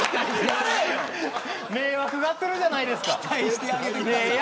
迷惑がってるじゃないですか。